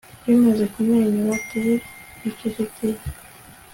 Bimaze kumwenyura dell icecekeye